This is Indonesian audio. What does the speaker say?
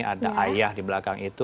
ada ayah di belakang itu